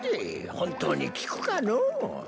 本当に効くかのう。